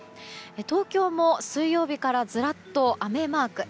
東京も、水曜日からずらっと雨マーク。